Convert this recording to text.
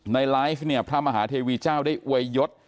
ไลฟ์เนี่ยพระมหาเทวีเจ้าได้อวยยศ